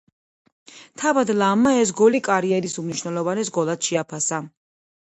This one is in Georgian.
თავად ლამმა ეს გოლი კარიერის უმნიშვნელოვანეს გოლად შეაფასა.